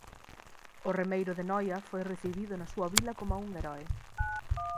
O remeiro de Noia foi recibido na súa vila como un heroe.